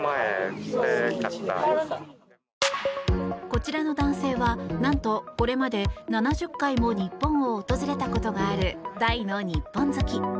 こちらの男性は、何とこれまで７０回も日本を訪れたことがある大の日本好き。